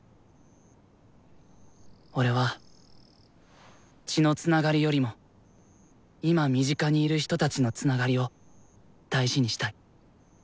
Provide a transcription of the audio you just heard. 俺は血のつながりよりも今身近にいる人たちのつながりを大事にしたい。